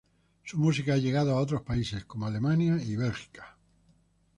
Su música ha llegado a otros paises como Alemania y Belgica.